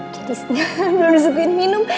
jadi sebenernya belum disukuin minum